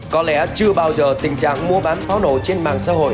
có lẽ chưa bao giờ tình trạng mua bán pháo nổ trên mạng xã hội